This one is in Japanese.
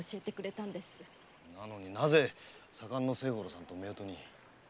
なのになぜ左官の千五郎さんと夫婦に？